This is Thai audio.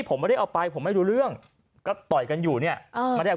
ผมไม่ได้เอาไปผมไม่รู้เรื่องก็ต่อยกันอยู่เนี่ยไม่ได้เอา